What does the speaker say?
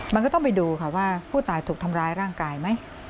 มันก็ต้องไปดูค่ะว่าผู้ตายถูกทำร้ายร่างกายไหม